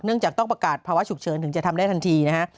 จากต้องประกาศภาวะฉุกเฉินถึงจะทำได้ทันทีนะฮะ